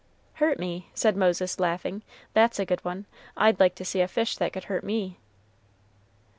"Hurt me!" said Moses, laughing; "that's a good one. I'd like to see a fish that could hurt me."